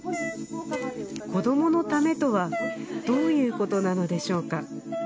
「子どものため」とはどういうことなのでしょうか？